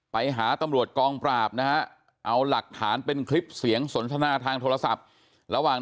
ไปหาตำรวจกองปราบนะฮะเอาหลักฐานเป็นคลิปเสียงสนทนาทางโทรศัพท์ระหว่าง